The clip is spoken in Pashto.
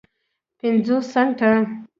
پینځوس سنټه